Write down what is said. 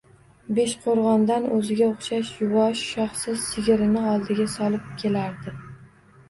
Beshqo‘rg‘ondan o‘ziga o‘xshash yuvosh, shoxsiz sigirini oldiga solib kelardi.